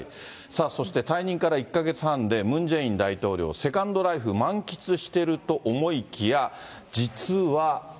さあ、そして退任から１か月半で、ムン・ジェイン大統領、セカンドライフ満喫してると思いきや、実は。